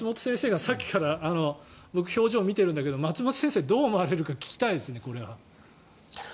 さっきから表情を見てるんだけど松本先生がどう思われるか聞きたいですね。